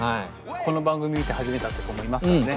この番組見て始めたって子もいますからね。